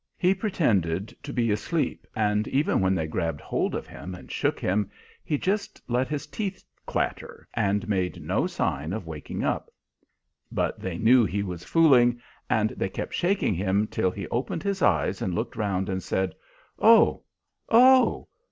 He pretended to be asleep, and even when they grabbed hold of him and shook him, he just let his teeth clatter, and made no sign of waking up. But they knew he was fooling, and they kept shaking him till he opened his eyes and looked round, and said, "Oh, oh!